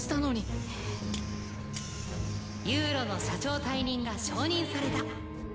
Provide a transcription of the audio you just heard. ユウオウ：ユウロの社長退任が承認された。